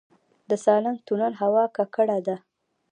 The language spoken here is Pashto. د سالنګ تونل هوا ککړه ده